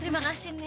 terima kasih nek